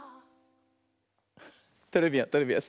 トレビアントレビアン。